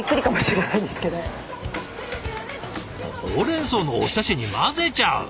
ほうれんそうのお浸しに混ぜちゃう。